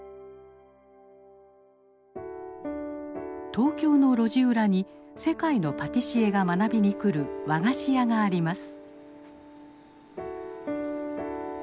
東京の路地裏に世界のパティシエが学びに来る和菓子屋があります。